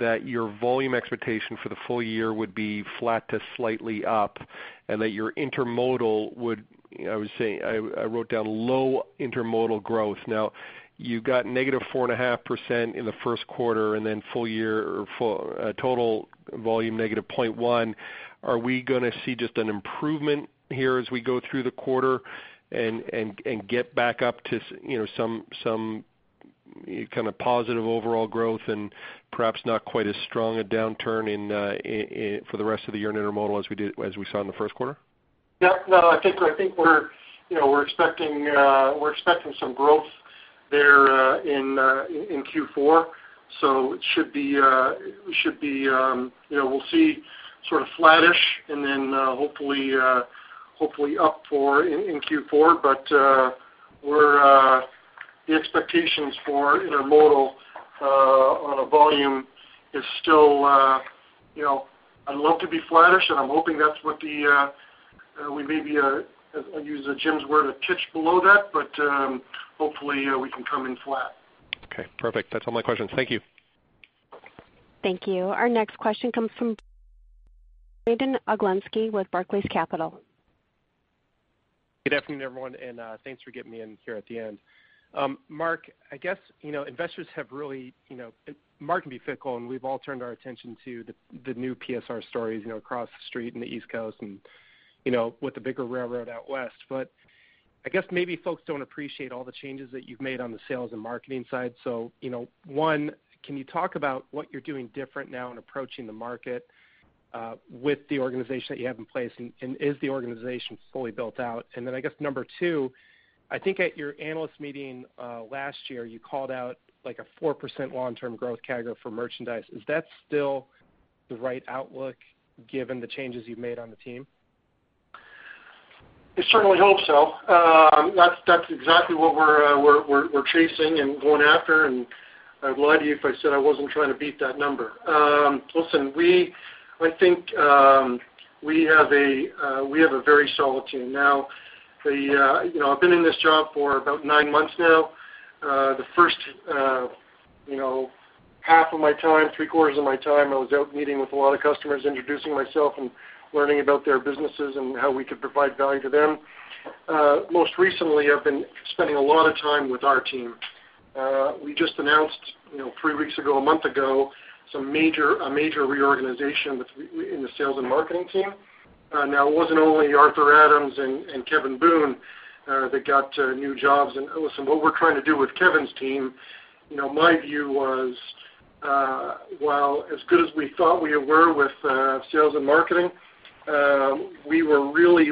that your volume expectation for the full year would be flat to slightly up and that your Intermodal would, I wrote down low Intermodal growth. Now, you've got -4.5% in the first quarter, and then total volume -0.1. Are we going to see just an improvement here as we go through the quarter and get back up to some kind of positive overall growth and perhaps not quite as strong a downturn for the rest of the year in Intermodal as we saw in the first quarter? Yeah. No, I think we're expecting some growth there in Q4. We should be, we'll see sort of flattish and then hopefully up in Q4. The expectations for Intermodal on a volume is still, I'd love to be flattish, and I'm hoping that's what the, we may be, I'll use Jim's word, a titch below that, but, hopefully, we can come in flat. Okay, perfect. That's all my questions. Thank you. Thank you. Our next question comes from Brandon Oglenski with Barclays Capital. Good afternoon, everyone, and thanks for getting me in here at the end. Mark, I guess, investors have really, the market can be fickle, and we've all turned our attention to the new PSR stories across the street and the East Coast and with the bigger railroad out west. I guess maybe folks don't appreciate all the changes that you've made on the sales and marketing side. One, can you talk about what you're doing different now in approaching the market with the organization that you have in place, and is the organization fully built out? Then I guess number two, I think at your analyst meeting last year, you called out like a 4% long-term growth CAGR for merchandise. Is that still the right outlook given the changes you've made on the team? I certainly hope so. That's exactly what we're chasing and going after, and I'd lie to you if I said I wasn't trying to beat that number. Listen, I think we have a very solid team now. I've been in this job for about nine months now. The first half of my time, three-quarters of my time, I was out meeting with a lot of customers, introducing myself and learning about their businesses and how we could provide value to them. Most recently, I've been spending a lot of time with our team. We just announced, three weeks ago, a month ago, a major reorganization in the sales and marketing team. It wasn't only Arthur Adams and Kevin Boone that got new jobs. Listen, what we're trying to do with Kevin's team, my view was, while as good as we thought we were with sales and marketing, we were really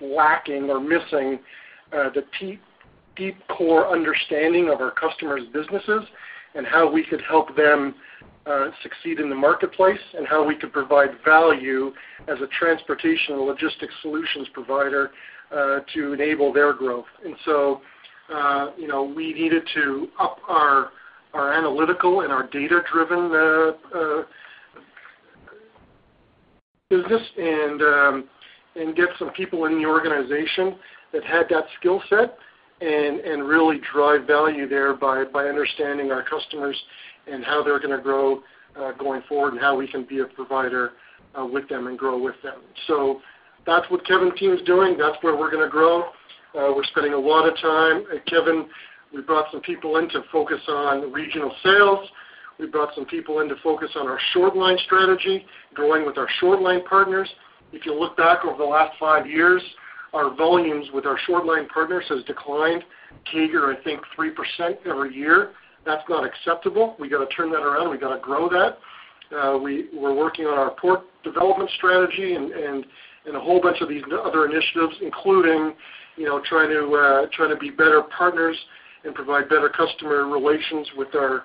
lacking or missing the deep core understanding of our customers' businesses and how we could help them succeed in the marketplace, and how we could provide value as a transportation logistics solutions provider, to enable their growth. We needed to up our analytical and our data-driven business and get some people in the organization that had that skill set and really drive value there by understanding our customers and how they're going to grow, going forward, and how we can be a provider with them and grow with them. That's what Kevin's team is doing. That's where we're going to grow. We're spending a lot of time with Kevin. We brought some people in to focus on regional sales. We brought some people in to focus on our short line strategy, growing with our short line partners. If you look back over the last five years, our volumes with our short line partners has declined CAGR, I think 3% every year. That's not acceptable. We got to turn that around. We got to grow that. We're working on our port development strategy and a whole bunch of these other initiatives, including trying to be better partners and provide better customer relations with our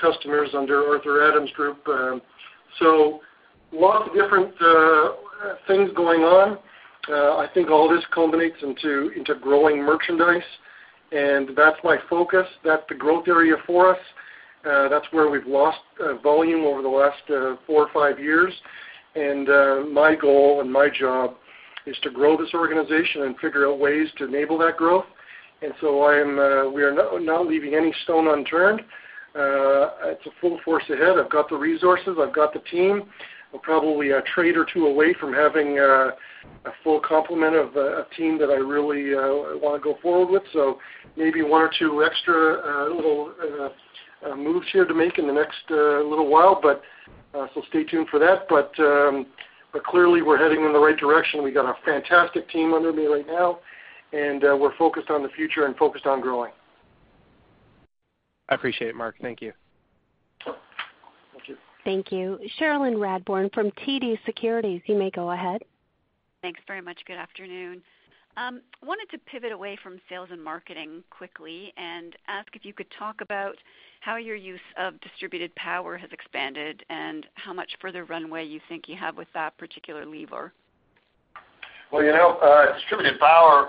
customers under Arthur Adams' group. Lots of different things going on. I think all this culminates into growing merchandise, and that's my focus. That's the growth area for us. That's where we've lost volume over the last four or five years. My goal and my job is to grow this organization and figure out ways to enable that growth. We are not leaving any stone unturned. It's a full force ahead. I've got the resources. I've got the team. We're probably a trade or two away from having a full complement of a team that I really want to go forward with. Maybe one or two extra little moves here to make in the next little while, so stay tuned for that. Clearly, we're heading in the right direction. We got a fantastic team under me right now, and we're focused on the future and focused on growing. I appreciate it, Mark. Thank you. Thank you. Thank you. Cherilyn Radbourne from TD Securities, you may go ahead. Thanks very much. Good afternoon. I wanted to pivot away from sales and marketing quickly and ask if you could talk about how your use of distributed power has expanded and how much further runway you think you have with that particular lever. Well, distributed power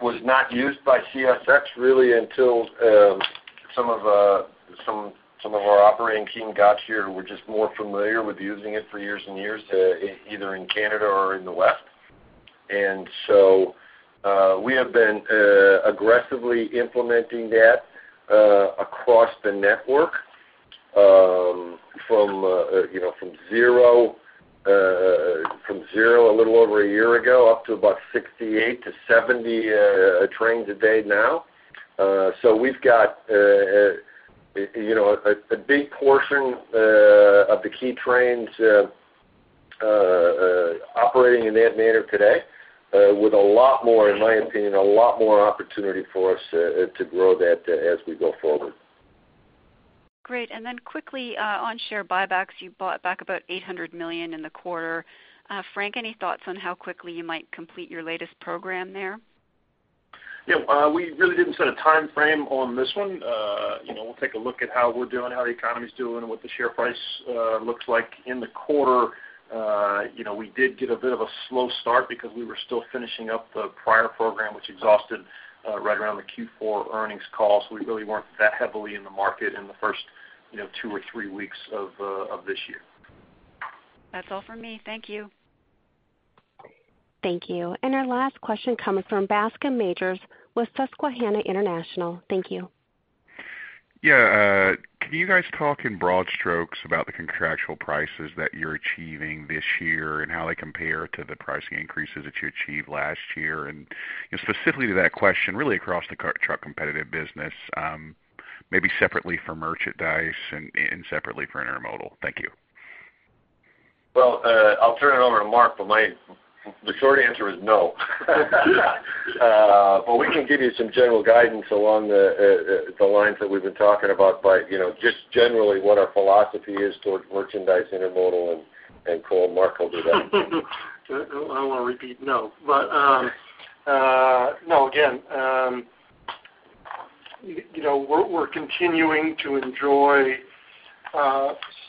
was not used by CSX really until some of our operating team got here, were just more familiar with using it for years and years, either in Canada or in the West. We have been aggressively implementing that across the network, from zero a little over a year ago up to about 68-70 trains a day now. We've got a big portion of the key trains operating in that manner today, with a lot more, in my opinion, a lot more opportunity for us to grow that as we go forward. Great. Quickly on share buybacks, you bought back about $800 million in the quarter. Frank, any thoughts on how quickly you might complete your latest program there? Yeah. We really didn't set a timeframe on this one. We'll take a look at how we're doing, how the economy's doing, and what the share price looks like in the quarter. We did get a bit of a slow start because we were still finishing up the prior program, which exhausted right around the Q4 earnings call. We really weren't that heavily in the market in the first two or three weeks of this year. That's all for me. Thank you. Thank you. Our last question coming from Bascome Majors with Susquehanna International. Thank you. Yeah. Can you guys talk in broad strokes about the contractual prices that you're achieving this year and how they compare to the pricing increases that you achieved last year? Specifically to that question, really across the truck competitive business, maybe separately for merchandise and separately for intermodal. Thank you. I'll turn it over to Mark, the short answer is no. We can give you some general guidance along the lines that we've been talking about, just generally what our philosophy is towards merchandise, intermodal, and coal. Mark will do that. I don't want to repeat no. No, we're continuing to enjoy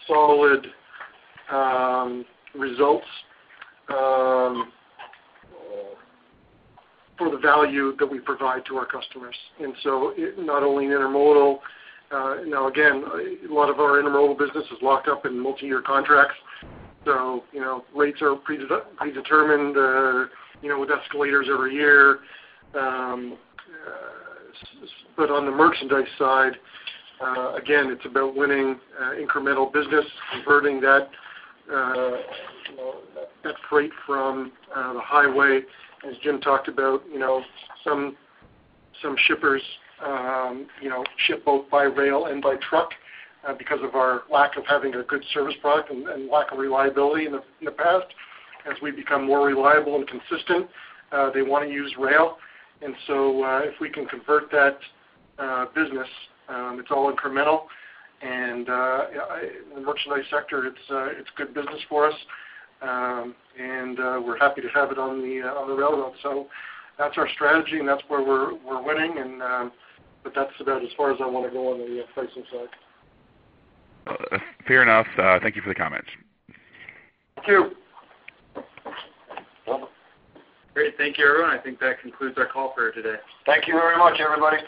solid results for the value that we provide to our customers. Not only in intermodal, a lot of our intermodal business is locked up in multi-year contracts. Rates are predetermined with escalators every year. On the merchandise side, it's about winning incremental business, converting that freight from the highway. As Jim talked about, some shippers ship both by rail and by truck because of our lack of having a good service product and lack of reliability in the past. As we become more reliable and consistent, they want to use rail. If we can convert that business, it's all incremental. In the merchandise sector, it's good business for us. We're happy to have it on the railroad. That's our strategy and that's where we're winning. That's about as far as I want to go on the pricing side. Fair enough. Thank you for the comments. Thank you. Welcome. Great. Thank you, everyone. I think that concludes our call for today. Thank you very much, everybody.